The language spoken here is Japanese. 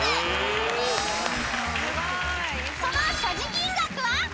［その所持金額は？］